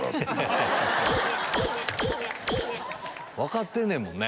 分かってんねんもんね。